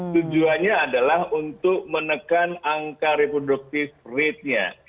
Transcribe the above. tujuannya adalah untuk menekan angka reproductive ratenya